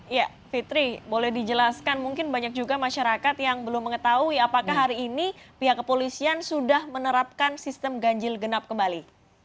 ya fitri boleh dijelaskan mungkin banyak juga masyarakat yang belum mengetahui apakah hari ini pihak kepolisian sudah menerapkan sistem ganjil genap kembali